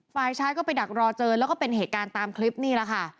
ฝ่ายชายก็ไปดักรอเจอแล้วก็เป็นเหตุการณ์ตามคลิปนี่แหละค่ะ